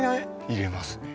入れますね